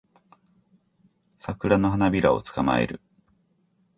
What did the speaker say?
サクラの花びらを捕まえる